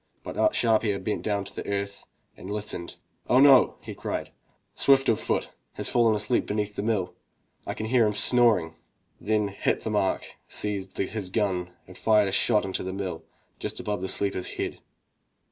But Sharp ear bent down to the earth and listened. "Oh ho! he cried, "Swift of foot has fallen asleep beneath the mill. I can hear him snoring. Then Hit the mark seized his gim and fired a shot into the mill just above the sleeper's head.